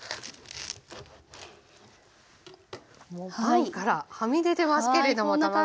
もうパンからはみ出てますけれども卵が。